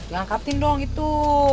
ya angkatin dong itu